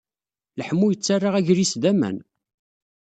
Leḥmu yettarra agris d aman.